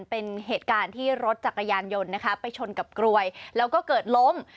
เป็นเหตุการณ์ที่รถจักรยานยนต์นะคะไปชนกับกรวยแล้วก็เกิดล้ม